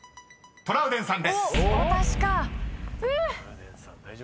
トラウデンさん］